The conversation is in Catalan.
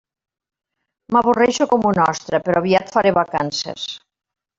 M'avorreixo com una ostra, però aviat faré vacances.